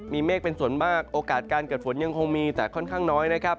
มีเมฆเป็นส่วนมากโอกาสการเกิดฝนยังคงมีแต่ค่อนข้างน้อยนะครับ